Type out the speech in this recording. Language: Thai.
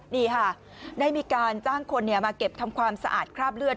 นี่ค่ะได้มีการจ้างคนมาเก็บทำความสะอาดคราบเลือด